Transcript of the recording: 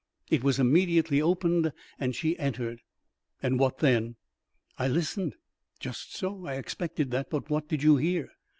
It was immediately opened, and she entered." "And what then?" "I listened." "Just so; I expected that. But what did you hear?"